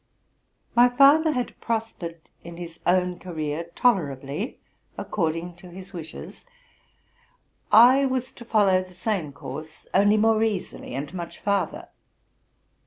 My father had prospered in his own career tolerably according to his wishes: I was to follow the same course, only more easily, and much farther.